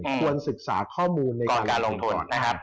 ควรศึกษาข้อมูลก่อนการลงทุน